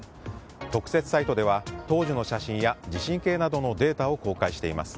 特設サイトでは当時の写真や地震計などのデータを公開しています。